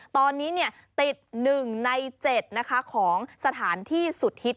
ตอนนี้เนี่ยติดหนึ่งในเจ็ดนะคะของสถานที่สุดฮิต